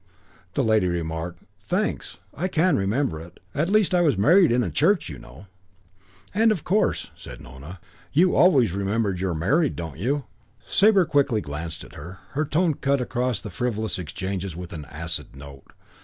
The lady remarked, "Thanks. I can remember it. At least I was married in a church, you know." "And, of course," said Nona, "you always remember you're married, don't you?" Sabre glanced quickly at her. Her tone cut across the frivolous exchanges with an acid note.